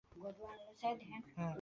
বেলুনের কথাটা কীভাবে জেনেছো?